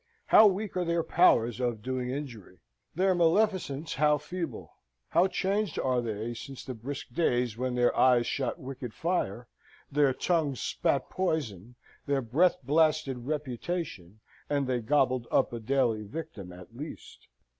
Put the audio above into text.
How weak are their powers of doing injury! their maleficence how feeble! How changed are they since the brisk days when their eyes shot wicked fire; their tongue spat poison; their breath blasted reputation; and they gobbled up a daily victim at least!